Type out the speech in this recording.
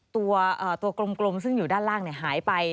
ตัวกลมซึ่งอยู่ด้านล่างหายไป